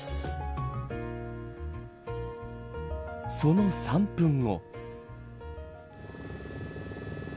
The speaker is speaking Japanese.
その３分後。